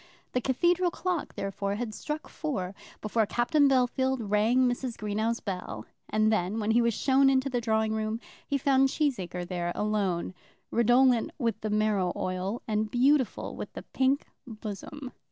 The cathedral clock, therefore, had struck four before Captain Bellfield rang Mrs. Greenow's bell, and then, when he was shown into the drawing room, he found Cheesacre there alone, redolent with the marrow oil, and beautiful with the pink bosom.